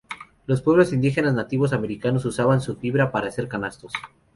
Los pueblos indígenas nativos americanos usaban su fibra para hacer canastos.